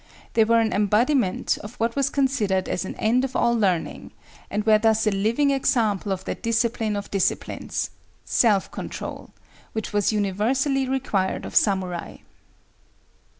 They were an embodiment of what was considered as an end of all learning, and were thus a living example of that discipline of disciplines, SELF CONTROL, which was universally required of samurai.